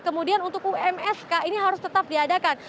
kemudian untuk umsk ini harus tetap diadakan